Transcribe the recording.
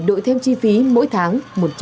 đội thêm chi phí mỗi tháng